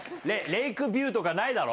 レイクビューとかないだろ？